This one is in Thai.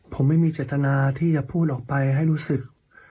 ผมไม่มีเจตนาที่จะพูดออกไปให้รู้สึก